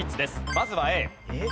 まずはＡ。